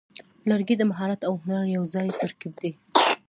لرګی د مهارت او هنر یوځای ترکیب دی.